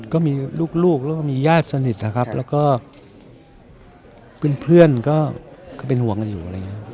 ก็มีลูกแล้วก็มีญาติสนิทครับแล้วก็เพื่อนก็เป็นห่วงกันอยู่